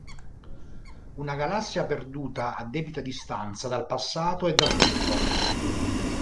Una galassia perduta a debita distanza dal passato e dal futuro.